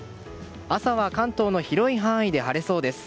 朝は関東の広い範囲で晴れそうです。